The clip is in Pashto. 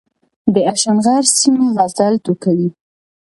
د اشنغر سيمه غزل ټوکوي